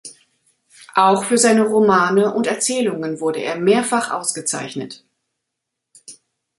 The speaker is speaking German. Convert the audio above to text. Auch für seine Romane und Erzählungen wurde er mehrfach ausgezeichnet.